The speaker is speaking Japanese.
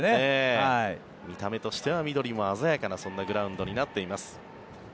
見た目としては緑も鮮やかなそんなグラウンドになっています。